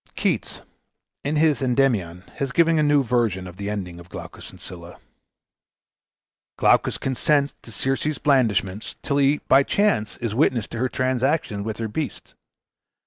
Keats, in his "Endymion," has given a new version of the ending of "Glaucus and Scylla." Glaucus consents to Circe's blandishments, till he by chance is witness to her transactions with her beasts.